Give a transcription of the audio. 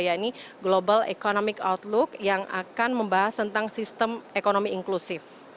yaitu global economic outlook yang akan membahas tentang sistem ekonomi inklusif